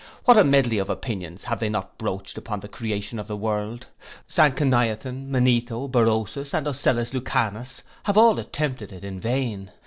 What a medly of opinions have they not broached upon the creation of the world. Sanconiathon, Manetho, Berosus, and Ocellus Lucanus have all attempted it in vain.